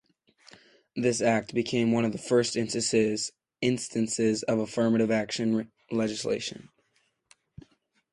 This act became one of the first instances of affirmative action legislation.